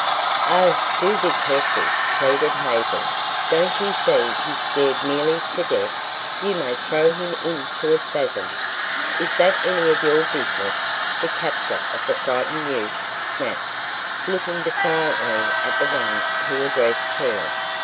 "Oh, do be careful," pleaded Hazel. "Don't you see he's scared nearly to death? You may throw him into a spasm." "Is that any of your business?" the captor of the frightened youth snapped, looking defiantly at the one who addressed her.